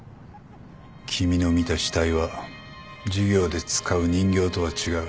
君の見た死体は授業で使う人形とは違う。